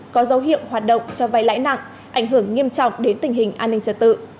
có dấu hiệu hoạt động cho vay lãi nặng ảnh hưởng nghiêm trọng đến tình hình an ninh trật tự